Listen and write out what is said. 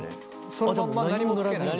そのまんま何もつけない？